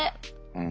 うん。